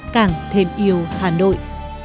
càng thêm yêu hà nội